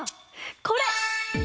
これ！